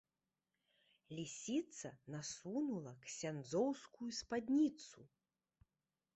Лісіца насунула ксяндзоўскую спадніцу.